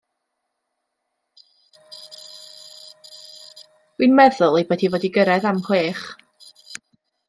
Wi'n meddwl ei bod hi fod i gyrredd am whech.